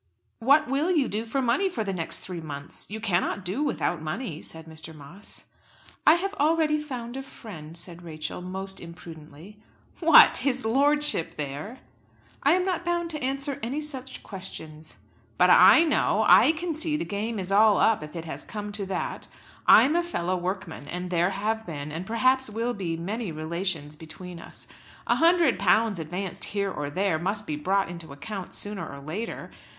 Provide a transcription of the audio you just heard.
"What will you do for money for the next three months? You cannot do without money," said Mr. Moss. "I have already found a friend," said Rachel most imprudently. "What! his lordship there?" "I am not bound to answer any such questions." "But I know; I can see the game is all up if it has come to that. I am a fellow workman, and there have been, and perhaps will be, many relations between us. A hundred pounds advanced here or there must be brought into the accounts sooner or later.